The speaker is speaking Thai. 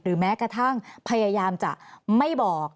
แม้กระทั่งพยายามจะไม่บอก